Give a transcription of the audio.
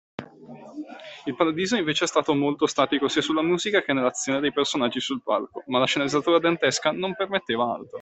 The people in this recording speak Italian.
Il paradiso invece è stato molto statico sia sulla musica che nell’azione dei personaggi sul palco, ma la sceneggiatura dantesca non permetteva altro.